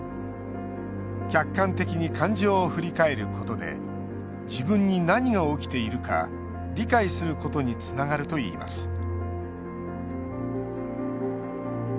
客観的に感情を振り返ることで自分に何が起きているか理解することにつながるといいます。